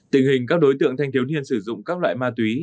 tình hình các đối tượng thanh thiếu niên sử dụng các loại ma túy